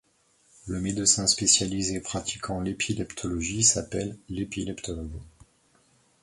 Le médecin spécialisé pratiquant l’épileptologie s'appelle l’épileptologue.